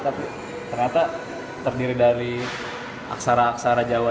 tapi ternyata terdiri dari aksara aksara jawa